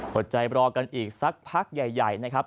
ดใจรอกันอีกสักพักใหญ่นะครับ